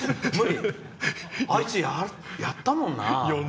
あいつ、やったもんな。